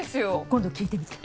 今度聞いてみてよ。